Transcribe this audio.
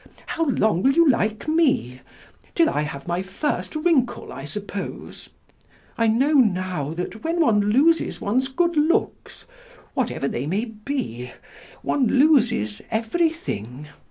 How long will you like me? Till I have my first wrinkle, I suppose. I know now that when one loses one's good looks, whatever they may be, one loses everything....